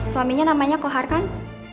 suaminya namanya kohar kan